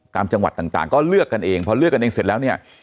จังหวัดต่างก็เลือกกันเองพอเลือกกันเองเสร็จแล้วเนี่ย